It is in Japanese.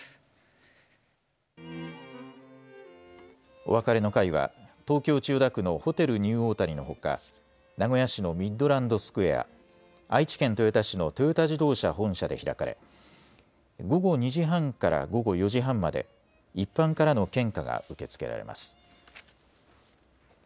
お別れの会は東京千代田区のホテルニューオータニのほか名古屋市のミッドランドスクエア、愛知県豊田市のトヨタ自動車本社で開かれ午後２時半から午後４時半まで一般からの献花が受け付けられます。